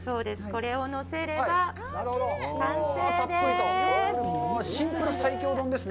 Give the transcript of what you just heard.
これを乗せれば完成です！